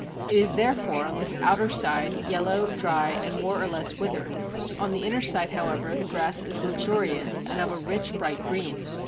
It is therefore on this outer side yellow, dry, and more or less withered. On the inner side, however, the grass is luxuriant and of a rich bright green.